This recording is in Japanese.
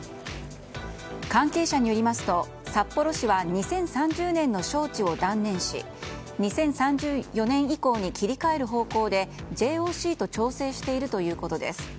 関係者によりますと札幌市は２０３０年の招致を断念し２０３４年以降に切り替える方向でＪＯＣと調整しているということです。